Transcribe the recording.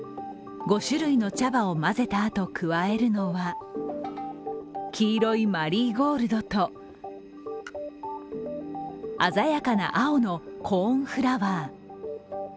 ５種類の茶葉を混ぜたあと加えるのは黄色いマリーゴールドと色鮮やかな青のコーンフラワー。